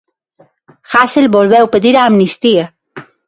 Hasél volveu pedir a amnistía.